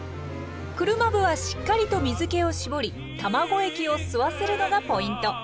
車麩はしっかりと水けを絞り卵液を吸わせるのがポイント。